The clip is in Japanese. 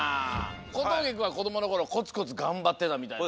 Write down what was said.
小峠くんはこどものころコツコツがんばってたみたいな。